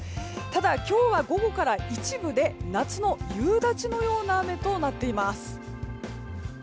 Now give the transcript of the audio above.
ただ、今日は午後から一部で夏の夕立のような雨となっています。